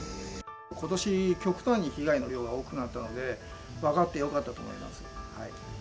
ことし、極端に被害の量が多くなったので、分かってよかったと思います。